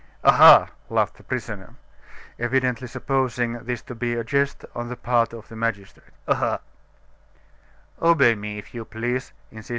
"Ah, ha!" laughed the prisoner, evidently supposing this to be a jest on the part of the magistrate. "Ah, ha!"